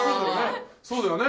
そうだよね